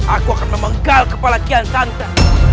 aku akan memenggal kepala kian santan